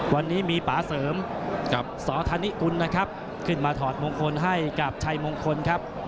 วันนี้มีป่าเสริมกับสธานิกุลนะครับขึ้นมาถอดมงคลให้กับชัยมงคลครับ